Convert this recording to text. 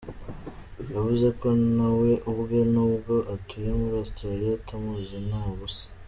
Yavuze ko na we ubwe, nubwo atuye muri Australia, atamuzi na busa.